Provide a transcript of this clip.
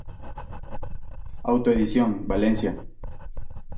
Autoedición, Valencia.